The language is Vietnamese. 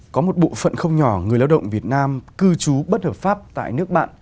có một bộ phận không nhỏ người lao động việt nam cư trú bất hợp pháp tại nước bạn